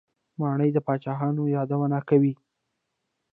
ماڼۍ د پاچاهانو یادونه کوي.